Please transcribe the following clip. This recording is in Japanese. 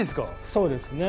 そうですね。